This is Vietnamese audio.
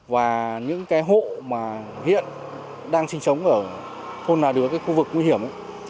và những cái hộ mà hiện đang sinh sống ở thôn nà đứa cái khu vực nguy hiểm